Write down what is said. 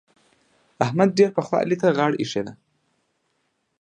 احمد ډېر پخوا علي ته غاړه اېښې ده.